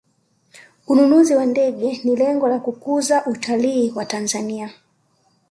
ununuzi wa ndege ni lengo la kukuza utalii wa tanzania